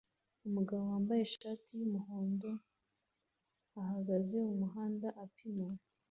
Umugabo wambaye ishati yumuhondo ahagaze mumuhanda apima